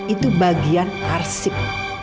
itu bagian arsik